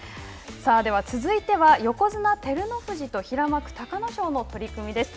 では、続いては横綱・照ノ富士と平幕、隆の勝の取組です。